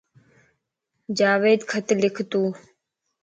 جاويد خط لک تو